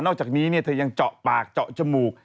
อกจากนี้เธอยังเจาะปากเจาะจมูก